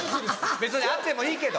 別にあってもいいけど。